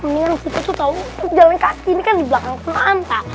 mendingan kita tuh tau jalan kaki ini kan di belakang pulang pak